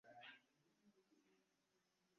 Obadde tolina gw'obuuza naawe totulimba.